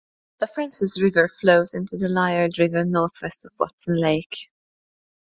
The Frances River flows into the Liard River northwest of Watson Lake.